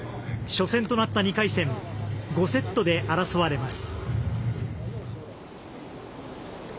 初戦となった２回戦５セットで争われます。